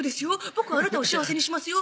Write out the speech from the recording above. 僕はあなたを幸せにしますよ」